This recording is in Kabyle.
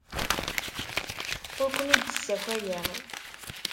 Ur ken-id-ssakayeɣ.